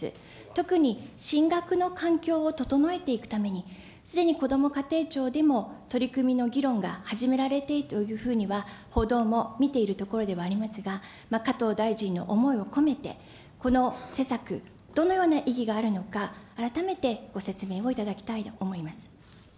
特に進学の環境を整えていくために、すでにこども家庭庁でも、取り組みの議論が始められているというふうには報道も見ているところではありますが、加藤大臣の思いを込めて、この施策、どのような意義があるのか、改めてご説明をいただきたいと思いま